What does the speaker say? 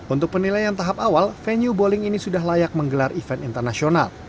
untuk penilaian tahap awal venue bowling ini sudah layak menggelar event internasional